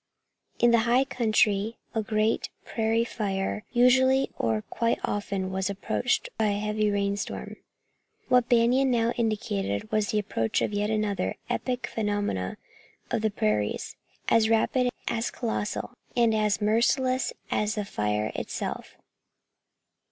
In the high country a great prairie fire usually or quite often was followed by a heavy rainstorm. What Banion now indicated was the approach of yet another of the epic phenomena of the prairies, as rapid, as colossal and as merciless as the fire itself.